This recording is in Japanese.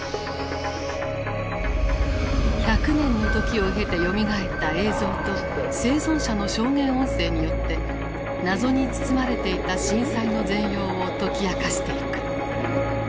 １００年の時を経てよみがえった映像と生存者の証言音声によって謎に包まれていた震災の全容を解き明かしていく。